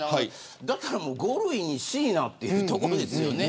だったら５類にしいなというところですよね。